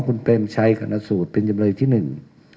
คุณเปรมชัยขนสูตรเป็นจำเลยที่หนึ่ง